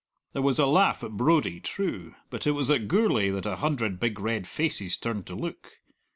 There was a laugh at Brodie, true; but it was at Gourlay that a hundred big red faces turned to look.